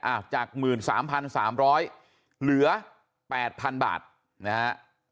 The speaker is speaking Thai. จาก๑๓๓๐๐เหลือ๘๐๐๐บาทนะฮะ